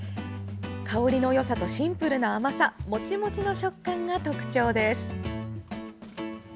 香りのよさとシンプルな甘さモチモチの食感が特徴です。